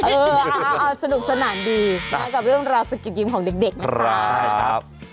เออสนุกสนานดีกันกับเรื่องรูปราวิทยุคยิมของเด็กนะครับ